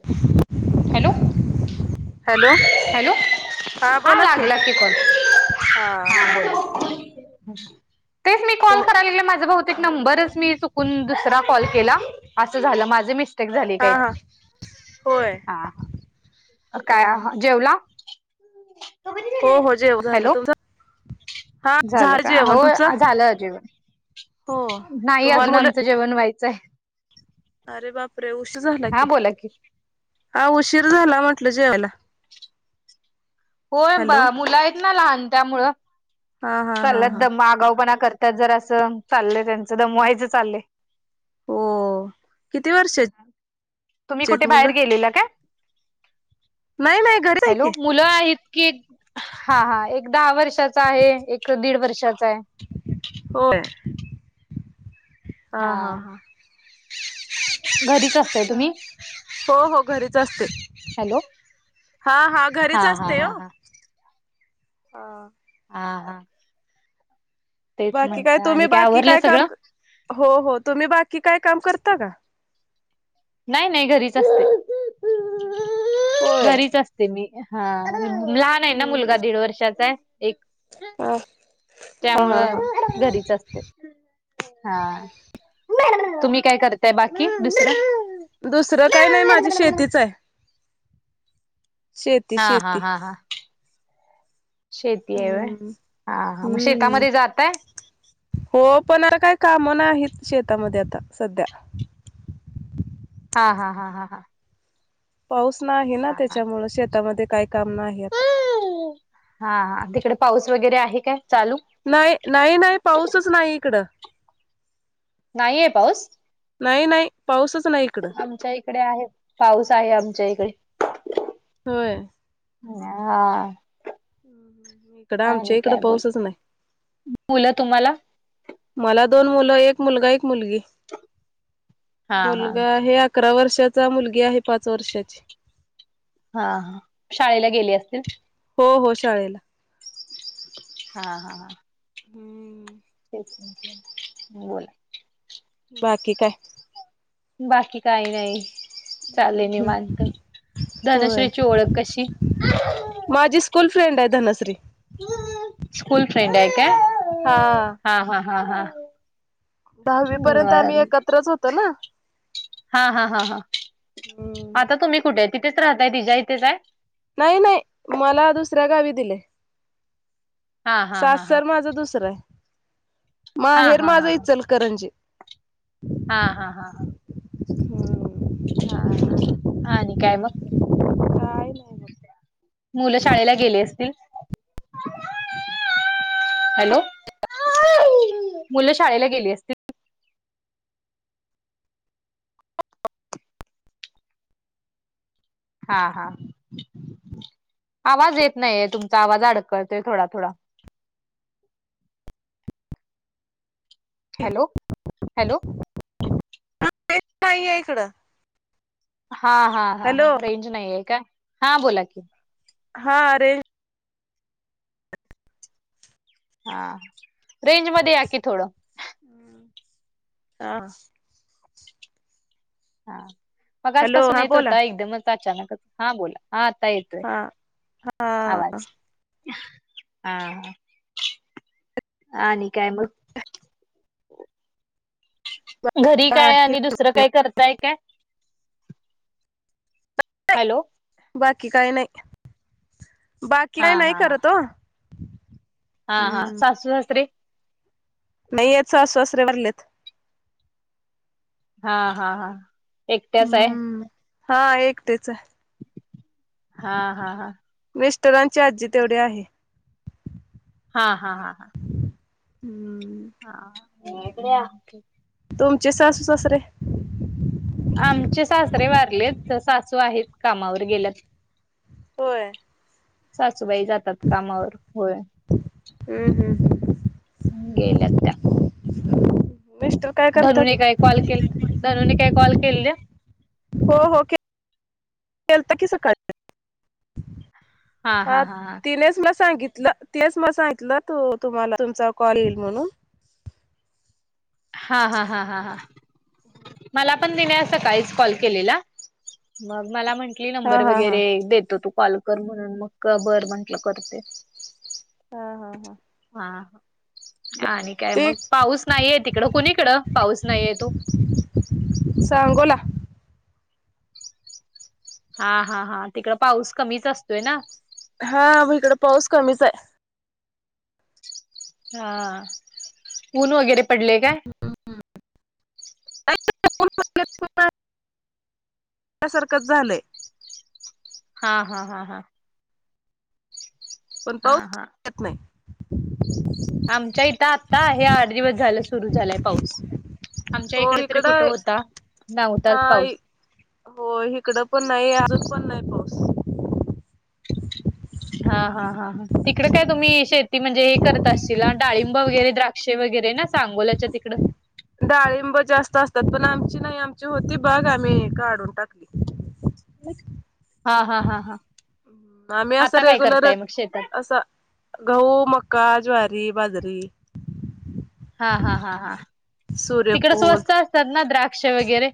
[inaudible] Hello hello hello हा बोला की लागला कि फोन हा तेच मी तर [unintelligible] सेव केले मी माझं बहुतेक चुकून दुसरा नंबर कॉल केला माझे मिस्टर मिस्टेक झाली हा काहीतरी होय हा ह ह काय जेवला? हो हो जेवण झालं हॅलो तुमचं हा झालं का जेवण होय तुमचं? झालं जेवण हो नाही तुम्हाला अजून मुलं? आमचं जेवण व्हायचंय अरे बाप रे उशीर झाला हा की बोला हा उशीर झाला म्हटलं जेवायला. होय हॅलो मुलं आहेत ना लहान त्यामुळं हा हा हा चाललंय हा दम आगाऊपणा करतात जर असं चाललंय त्यांचं दमवायचं चाललंय. हो किती वर्षा तुम्ही कुठे बाहेर गेलेला का नाही नाही घरीच आहे की हॅलो मुलं आहेत कि हा हा एक दहा वर्षाचा आहे एक दीड वर्षाचा आहे. होय हा हा हा घरीच असताय तुम्ही हो हो घरीच असते. हॅलो हा हा घरीच हा असते हा हो हा हा हा हा तेच बाकी काय म्हंटलं आणि तुम्ही बाकी आवरलं काय काम सगळं हो हो तुम्ही बाकी काय काम करता का? नाही नाही घरीच असते होय घरीच असते. ते मी हा लहान आहे ना हम्म मुलगा हम्म दीड वर्षाचा आहे. एक हा हा हा हा त्यामुळं घरीच असते. हा तुम्ही काय करताय बाकी दुसरं? दुसरं काही नाही माझी शेतीच आहे. शेती हा हा शेती हा हा शेती आहे होय हम्म हा मग हम्म शेतामध्ये जाताय? हो पण काय काम नाही आहेत शेतामध्ये आता सध्या हा हा हा हा हा पाऊस नाही आहे ना हा त्याच्यामु शेतामध्ये काही काम नाही आता. हा हा, तिकडे पाऊस वगैरे आहे काय चालू. नाही नाही नाही पाऊसच नाही इकडं. नाहीये पाऊस. नाही नाही पाऊसच नाही इकडं. आमच्या इकडे आहे पाऊस आहे आमच्या इकडे. होय, हा, इकडं आणि आमच्या इकडं काय बोल. पाऊसच नाही मला दोन मुलं एक मुलगा एक मुलगी हा हा मुलगा हे आ ''--'' अकरा वर्षाचा मुलगी आहे पाच वर्षाची. हा शाळेला गेले असतील. हो हो, शाळेला. हा हा हा, हम्म, तेच बोला. बाकी काय बाकी काही नाही चालय निवांत होय धनश्रीची ओळख कशी? माझी स्कूल फ्रेंड आहे धनश्री. स्कूल फ्रेंड आहे काय? हा, हा हा हा हा, दहावी पर्यंत आम्ही एकत्रच होतो ना. हा हा हा हा, हम्म आता तुम्ही कुठे तिथेच राहताय तिच्या इथेच आहे. नाही नाही मला दुसऱ्या गावी दिले. हा हा हा हा सासर माझा दुसरं आहे. हा माहेर हा माझं हा हा इचलकरंजी हा हा हा हा, हा हा, आणि काय मग? काय नाही बघ मुलं शाळेला गेली असतील. हॅलो, मुलं शाळेला गेली असतीलं. हा हा, आवाज येत नाहीय तुमचा आवाज अडकळतो थोडा थोडा. हॅलो हॅलो, रेंज नाही आहे इकडं. हा हा हा हा, हॅलो रेंज नाही आहे का हा बोला की, हा रेज''--' हा, रेंज मध्ये या की थोडं. हा, हा, हॅलो मगासपासून हा येत बोला होता एकदमच अचानकच हा, बोला हा आता येतोय. हा हा आवाज हा ह, आणि काय मग. घरी काय बाकी आणि दुसरं काय करताय काय? हॅलो, बाकी काही नाही बाकी हा काय नाही हा हा करत हो. हा हा, सासू सासरे. नाहीत सासू सासरे वारलेत. हा. हा. हा. एकट्याच आहे? हम्म हा एकटीच हाय. हा. हा. हा. मिस्टरांची आजी तेवढी आहे. हा. हा. हा. हा. [unintelligible] तुमचे सासू -सासरे. आमचे सासरे वारलेत, सासू आहेत कामावर गेल्यात. होय. सासूबाई जातात कामावर. होय. हू. हू. हू. गेल्यात त्या. मिस्टर. काय करतात? धनूने काय कॉल केल, धनूने काय कॉल केलेल्या.? हो हो केल, केलता कि सकाळी. हा तिनेच मला सांगितलं. तेच म सांगितलं. तू तुम्हांला तुमचा कॉल येईल म्हणून. हा हा ह ह ह मला पण तीने आज सकाळीच कॉल केलेला मग मला म्हणली हा नंबर हा हा वगैरे देतो तु कॉल कर म्हणून मग का बर म्हंटलं करते. हा हा हा हा आणि काय ते मग पाऊस नाहीये तिकडं, कुणीकडं पाऊस नाहीये तो? सांगोला. हा, हा, हा. तिकडं पाऊस कमीच असतोय ना? हा म हिकडं पाऊस कमीच आय. हा, ऊन वगैरे पडलंय काय? [unintelligible] [unintelligible] सारखंच झालंय. हा, हा, हा, हा. पण हा पाऊस हा येत नाही. आमच्या इथं आता आहे आठ दिवस झालं सुरू झालाय पाऊस. आमच्या हो इकडे तरी कुठं इकडं होता, नव्हताच अ पाऊस. हो इकडं पण नाही, अजून पण नाही पाऊस. हा, हा, हा, हा. तिकडे काय तुम्ही शेती म्हणजे हे करत असशीला डाळीब.? ब वगैरे, द्राक्षे वगैरे ना सांगोलाच्या तिकंड. डाळिंब जास्त असतात, पण आमची नाही आमची होती बाग आम्ही काढून टाकली. हा, हा, हा, हा. मग आम्ही असं आता काय करताय रेगुलरच मग शेतात? असं गहू, मका, ज्वारी, बाजरी. हा, हा, हा, हा. तिकडं सूर्यफूल स्वस्त असतात ना द्राक्ष वगैरे.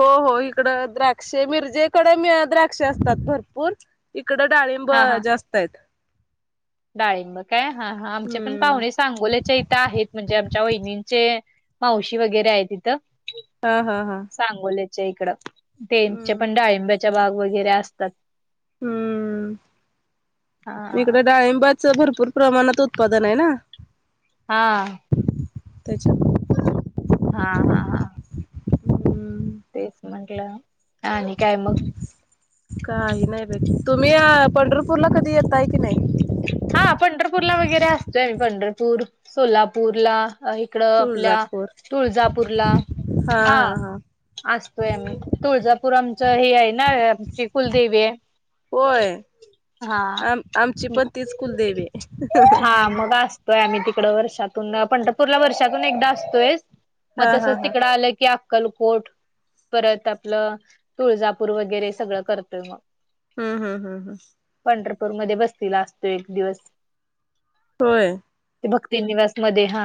हो, हो हिकडं द्राक्ष. मिरजेकडे द्राक्ष असतात भरपूर. इकडं डाळिंब जास्त हायेत. डाळींब काय? हा हा आमचे पण हम्म पाहुणे सांगोल्याच्या इथं आहेत, म्हणजे आमच्या वहिनींचे, मावशी वगैरे आहे तिथं. ह, ह, ह. सांगोल्याचे इकडं तेचे पण डाळिंब्याच्या बाग वगैरे असतात. हम्म, हा. इकडं डाळींबर च. भरपूर प्रमाणात उत्पादन आहे ना. हा. त्याच्या, हा हा हा. हम्म तेच म्हंटलं. आणि काय मग. काही नाही बाई. तुम्ही अ पंढरपूरला कधी येताय काय नाही. हा पंढरपूरला वगैरे असतोय, पंढरपूर, सोलापूरला. ई इकडं आपल्या, तुळजापूर तुळजापूरला. हा. असतोय आम्ही. तुळजापूर आमचं हे आहे ना. आमची कुलदेवीये. होय हा. आम आमची पण तीच कुलदेवीये. होय. आम्ही तिकडं वर्षातून पंढरपूरला वर्षातून एकदा असतोय. हा मग हा तसंच हा तिकडं आलं की, आ अक्कलकोट परत आपलं तुळजापूर वगैरे सगळं करतोय मग. हम् हम हम् हम. पंढरपूरमध्ये बसतीला असतोय एक दिवस. व्हय. भक्ती निवास मध्ये हा,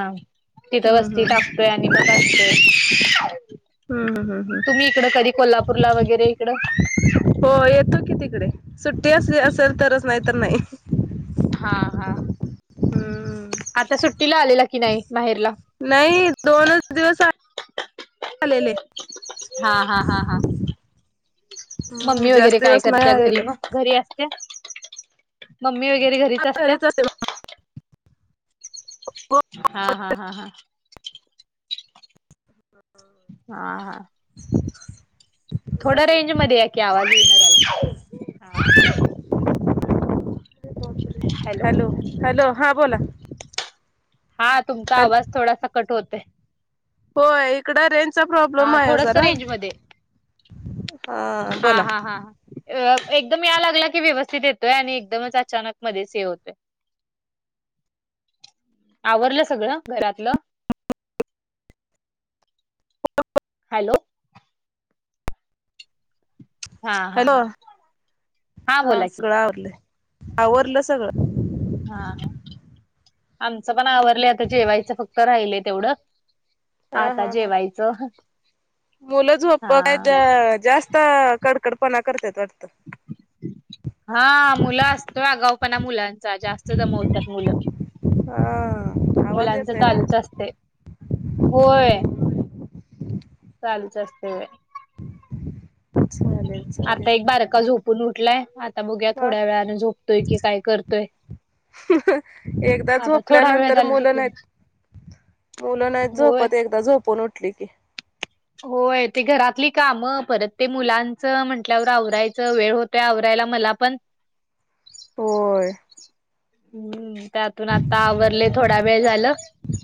तिथं हम्म वसती हम्म टाकतोय आणि [unintelligible] हम्म हम्म हम्म हम्म तुम्ही इकडं कधी कोल्हापूरला वगैरे इकडं. हो येतो कि तिकडे सुट्टी असली असेल तरचं नाही तर नाही. हा हा. हम्म. आता सुट्टीला आलेला की नाही. माहेरला. नाही दोनच दिवस आ हा हा हा हा. हम्म मम्मी वगैरे जास्त काय दिवस नाही करत्या घरी आलेले मग. घरी असत्या, मम्मी वगैरे घरी हा घरा [unintelligible] हा हा हा हा. हा हा, थोडं बाकी रेंजमध्ये या की आवाज इना. [unintelligible] हॅलो हॅलो हा बोला. हा तुमचा हॅल आवाज थोडासा कट होतोय. होय इकडं रेंजचा प्रॉब्लेम हा आहे ओ थोडस जरा. रेंज मध्ये हा हा हा हा. अ एकदम याय लागला की व्यवस्थित येतोय आणि एकदमच अचानक मध्येच हे होतोय. आवरलं सगळं घरातलं. [unintelligible] हॅलो‌. हा हा हॅलो. हा हा बोला की सगळं आवरलं, आवरलं सगळं. हा ह, आमचं पण आवरलयं आता जेवायचं फक्त राहिलय तेवढं. हा आता हा हा, जेवायचं मुलं झोप हा [unintelligible] जास्त कड कडपणा करत्यात वाटत. हा, मुलं असतोय अगावपणा मुलांचा, जास्त दमवतात मुलं. हा आवाज मुलांच येतोय ना चालूच असतंय, होय. हम्म चालु असतंय, होय. चालेल चालेल. आता एक बारका झोपून उठलाय. आता बघूया ह थोड्या वेळाने झोपतोय की काय करतोय. एकदा आता थोडा वेळ झोपल्यानंतर झाला मुल झोपून नाही त मुलं नाही होय झोपत, एकदा झोपून उठली की. होय ते घरातली काम, परत ते मुलांचं, म्हंटल्यावर आवरायचं वेळ होत ते आवरायला मला पण. होय. हम्म, त्यातून आता आवरलय थोडा वेळ झालं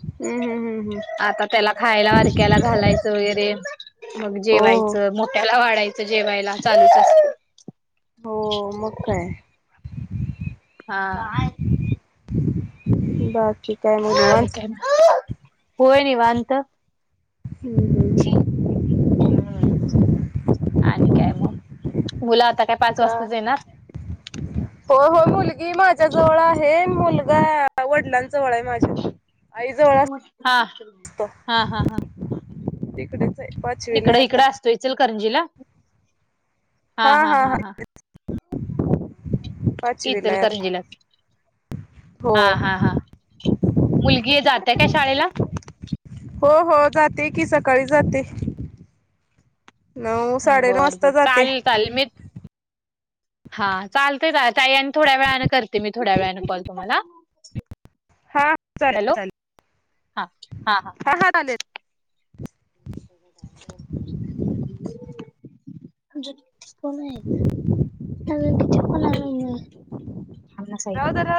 हम्म हम्म हम्म हम्म आता त्याला खायला बारक्याला घालायचं वगैरे मग हो हो. जेवायचं, मोठ्याला वाढायचं जेवायला, चालूच असत. हो, मग काय? हा. बाकी. काय मग आणि निवांत काय मग, होय निवांत. हम्म-हम्म. ती हम्म, आणि काय मग, मुल आता काय पाच वाजताच येणार. हो-हो मुलगी माझ्याजवळ आहे. मुलगा वडिलांन जवळ आहे माझ्या. आई जवळ हा. असतो, हा हा तिकडं हाय. हिकडं इकडं असतो इचलकरंजी ला? हा हा हा हा-हा-हा-हा. [unintelligible] पाचवीला आहे आता इचलकरंजीलाच, हो हा-हा-हा. मुलगी जात्या काय शाळेला? हो-हो जाते की सकाळी जाते. नऊ साडेनऊ वाजता जाते. तालमित. हा चालतेय चल, ताई आणि थोड्या वेळानं करते मी थोड्या वेळानं कॉल तुम्हाला? हा चालेल हॅलो, चालेल हा हा-हा-हा-हा हा चालेल जे कोण आहे. आजुन किती फण आहे मम्मे, फणस हाय. राहू दे राहू